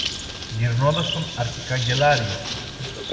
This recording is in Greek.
γυρνώντας στον αρχικαγκελάριο